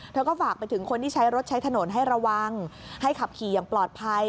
เธอก็ฝากไปถึงคนที่ใช้รถใช้ถนนให้ระวังให้ขับขี่อย่างปลอดภัย